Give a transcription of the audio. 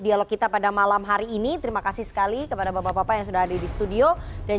dialog kita pada malam hari ini terima kasih sekali kepada bapak bapak yang sudah ada di studio dan